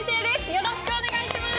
よろしくお願いします！